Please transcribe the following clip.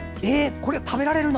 これ食べられるの？